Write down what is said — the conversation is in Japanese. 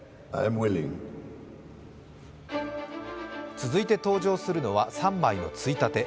続いて登場するのは３枚のついたて。